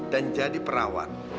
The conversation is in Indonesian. dan jadi perawat